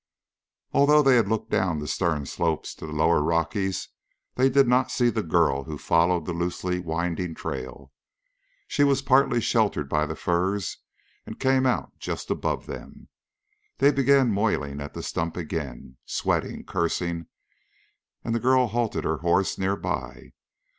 Although they had looked down the stern slopes to the lower Rockies, they did not see the girl who followed the loosely winding trail. She was partly sheltered by the firs and came out just above them. They began moiling at the stump again, sweating, cursing, and the girl halted her horse near by.